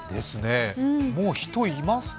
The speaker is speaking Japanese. もう、人いますか？